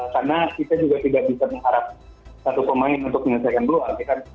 karena kita juga tidak bisa mengharap satu pemain untuk menyelesaikan peluang